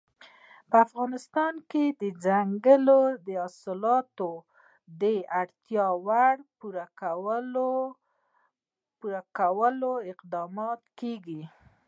په افغانستان کې د ځنګلي حاصلاتو د اړتیاوو پوره کولو اقدامات کېږي.